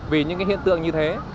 vì những hiện tượng như thế